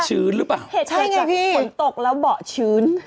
เห็ดเกิดจากฝนตกแล้วเบาะชื้น